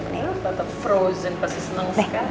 tante frozen pasti senang sekali